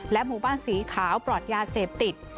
หมู่บ้านสีขาวปลอดยาเสพติด